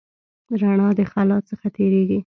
رڼا د خلا څخه تېرېږي.